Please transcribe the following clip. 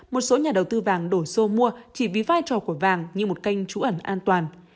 một số nhà đầu tư vàng đổ xô mua chỉ vì vai trò của vàng như một kênh trú ẩn an toàn